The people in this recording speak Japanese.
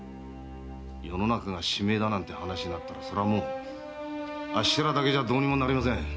世の中が終わりだなんて話になったらそりゃもうあっしらだけじゃどうにもなりません。